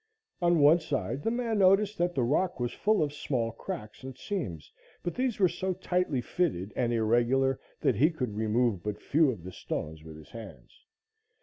On one side the man noticed that the rock was full of small cracks and seams, but these were so tightly fitted and irregular that he could remove but few of the stones with his hands.